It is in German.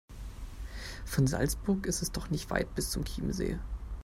Von Salzburg ist es doch nicht weit bis zum Chiemsee.